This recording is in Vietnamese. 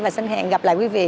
và xin hẹn gặp lại quý vị